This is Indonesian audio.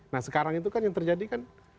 nah sekarang itu kan yang terjadi kan